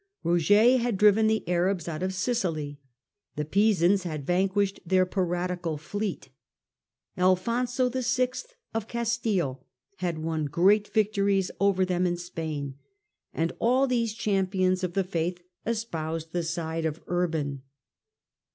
Boger had driven the Arabs out of Sicily; the Pisans had vanquished their piratical fleet ; Alphonso VI. of Castille had won great victories over them in Spain. And all these champions of the faith espoused the side of Urban.